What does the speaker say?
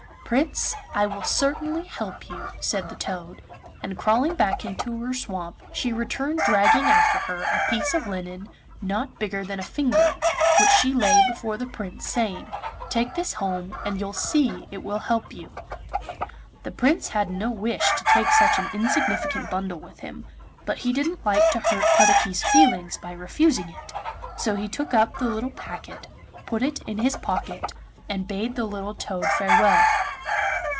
'Prince, I will certainly help you,' said the toad, and, crawling back into her swamp, she returned dragging after her a piece of linen not bigger than a finger, which she lay before the Prince, saying, 'Take this home, and you'll see it will help you.' The Prince had no wish to take such an insignificant bundle with him; but he didn't like to hurt Puddocky's feelings by refusing it, so he took up the little packet, put it in his pocket, and bade the little toad farewell.